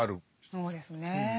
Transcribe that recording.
そうですね。